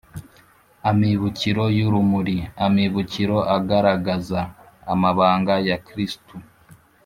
amibukiro y’urumuri, amibukiro agaragaza amabanga ya kristu